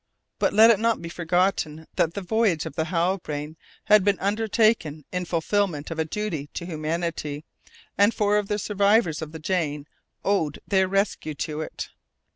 But let it not be forgotten that the voyage of the Halbrane had been undertaken in fulfillment of a duty to humanity, and four of the survivors of the Jane owed their rescue to it.